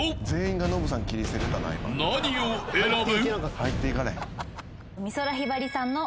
［何を選ぶ？］